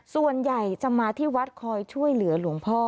ส่วนใหญ่จะมาที่วัดคอยช่วยเหลือหลวงพ่อ